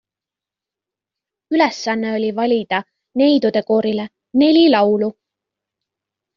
Ülesanne oli valida neidudekoorile neli laulu.